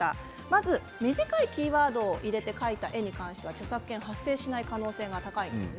まず短いキーワードを入れて描いた絵に関しては著作権は発生しない可能性が高いんです。